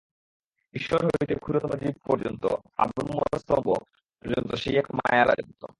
ঈশ্বর হইতে ক্ষুদ্রতম জীব পর্যন্ত, আব্রহ্মস্তম্ব পর্যন্ত সেই এক মায়ার রাজত্ব।